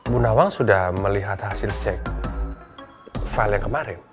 bu nawang sudah melihat hasil cek file yang kemarin